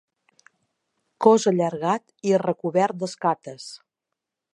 Cos allargat i recobert d'escates.